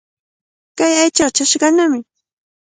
Kay aychaqa chashqanami.